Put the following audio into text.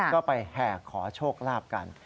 ก็ไปแห่ขอโชคลาภกัน